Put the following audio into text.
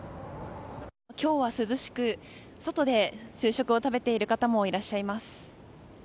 今日は涼しく外で昼食を食べている方もいらっしゃいます。